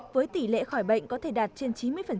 với tỷ lệ khỏi bệnh có thể đạt trên chín mươi